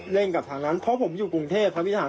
กับทางนั้นเพราะผมอยู่กรุงเทพครับพี่ถาม